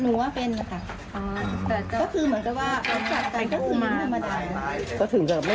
หนูว่าเป็นนะคะก็คือเหมือนกันว่าจัดการก็ถึงประมาณนั้น